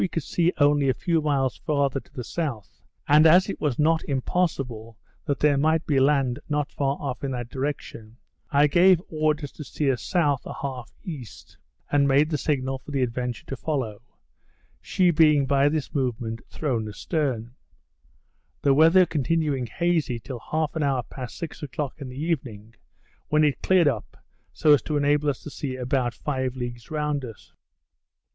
At noon we observed in latitude 48° 36' S., longitude 59° 35' E. As we could only see a few miles farther to the south, and as it was not impossible that there might be land not far off in that direction, I gave orders to steer S. 1/2 E., and made the signal for the Adventure to follow, she being by this movement thrown a stern: The weather continuing hazy till half an hour past six o'clock in the evening, when it cleared up so as to enable us to see about five leagues round us.